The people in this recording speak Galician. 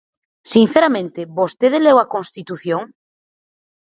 Sinceramente, ¿vostede leu a Constitución?